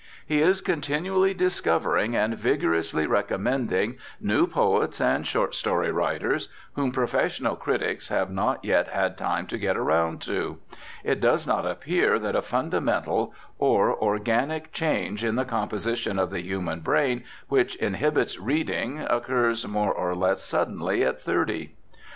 He is continually discovering and vigorously recommending new poets and short story writers whom professional critics have not yet had time to get around to. It does not appear that a fundamental or organic change in the composition of the human brain which inhibits reading occurs more or less suddenly at thirty.